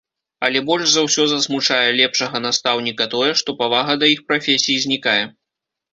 Але больш за ўсё засмучае лепшага настаўніка тое, што павага да іх прафесіі знікае.